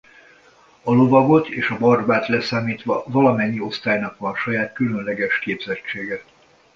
A lovagot és a barbárt leszámítva valamennyi osztálynak van saját különleges képzettsége.